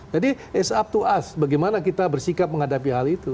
jadi it's up to us bagaimana kita bersikap menghadapi hal itu